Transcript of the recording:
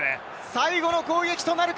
最後の攻撃となるか？